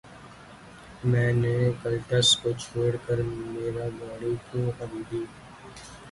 میں نے کلٹس کو چھوڑ کر میرا گاڑی کیوں خریدی